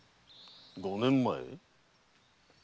五年前？